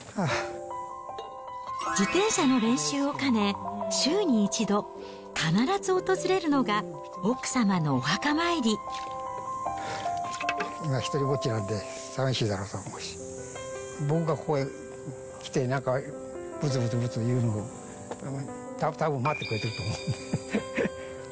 自転車の練習を兼ね、週に１度、今、ひとりぼっちなんで寂しいだろうと思うし、僕がここへ来て、なんかぶつぶつ言うのをたぶん待ってくれてると思うんで。